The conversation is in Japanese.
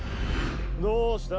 ・どうした？